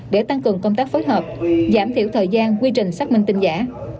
để tăng cường công tác phối hợp giảm thiểu thời gian quy trình xác minh tin giả